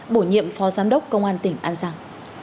bổ nhiệm phó giám đốc công an tỉnh an giang